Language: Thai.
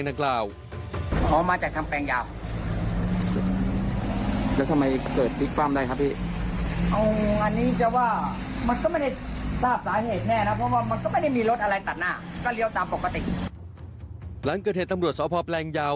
หลังเกิดเหตุตำรวจสพแปลงยาว